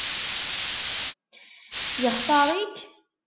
Yextaṛ-ik?